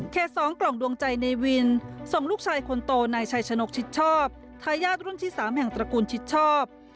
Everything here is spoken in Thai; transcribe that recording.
๒กล่องดวงใจในวินส่งลูกชายคนโตนายชัยชนกชิดชอบทายาทรุ่นที่๓แห่งตระกูลชิดชอบ